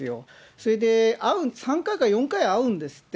それで３回か４回会うんですって。